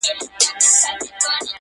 زه له بېرنګۍ سره سوځېږم ته به نه ژاړې!.